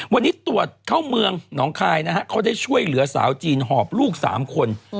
วันนี้ตรวจเข้าเมืองหนองคายนะฮะเขาได้ช่วยเหลือสาวจีนหอบลูก๓คน